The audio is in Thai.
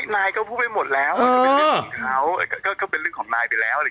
นายก็พูดไปหมดแล้วก็เป็นเรื่องของนายไปแล้ว